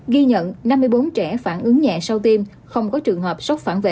ghi nhận năm mươi bốn trẻ phản ứng nhẹ sau tiêm không có trường hợp sốc phản vệ